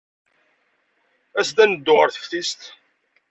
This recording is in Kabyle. As-d ad neddu ɣer teftist.